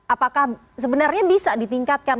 apakah sebenarnya bisa ditingkatkan